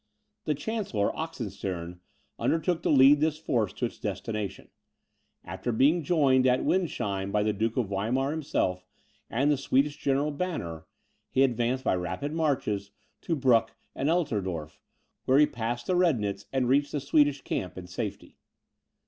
The Chancellor, Oxenstiern, undertook to lead this force to its destination. After being joined at Windsheim by the Duke of Weimar himself, and the Swedish General Banner, he advanced by rapid marches to Bruck and Eltersdorf, where he passed the Rednitz, and reached the Swedish camp in safety.